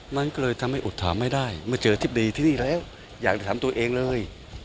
มันก็เลยทำให้อดถามไม่ได้เมื่อเจอทิบดีที่นี่แล้วอยากจะถามตัวเองเลย